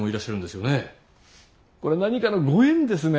これ何かのご縁ですね。